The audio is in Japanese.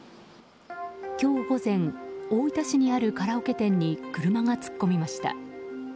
今日午前大分市にあるカラオケ店に車が突っ込みました。